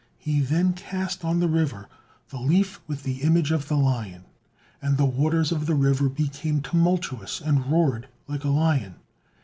He then cast on the river the leaf with the image of the lion, and the waters of the river became tumultuous, and roared like a lion.